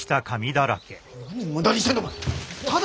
何無駄にしてんだ！